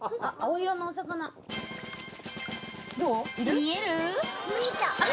見える？